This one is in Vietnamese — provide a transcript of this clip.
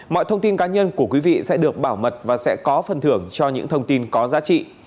mọi thông tin cá nhân của quý vị sẽ được bảo mật và sẽ có phần thưởng cho những thông tin có giá trị